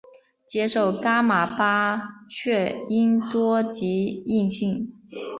接受噶玛巴却英多吉印信。